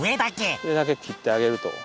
上だけ切ってあげると。